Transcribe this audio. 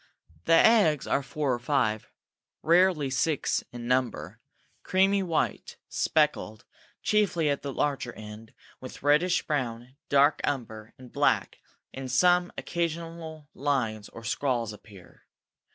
The eggs are four or five, rarely six in number, creamy white, speckled, chiefly at the larger end, with reddish brown, dark umber, and black; in some, occasional lines or scrawls appear.